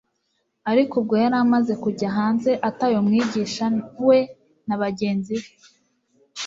Ariko ubwo yari amaze kujya hanze ataye Umwigisha we na bagenzi be,